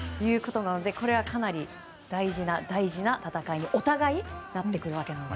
これはかなり大事な大事な戦いにお互いになってくるわけです。